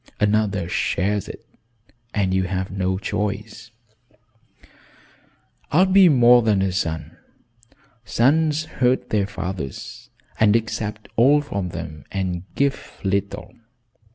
"Another shares it and you have no choice." "I will be more than a son. Sons hurt their fathers and accept all from them and give little.